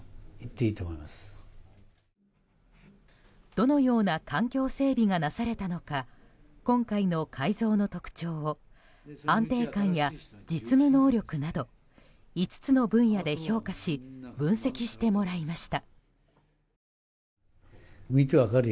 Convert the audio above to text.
どのような環境整備がなされたのか今回の改造の特徴を安定感や実務能力など５つの分野で評価し分析してもらいました。